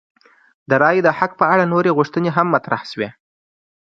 د رایې د حق په اړه نورې غوښتنې هم مطرح شوې.